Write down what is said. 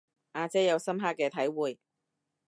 阿姐有深刻嘅體會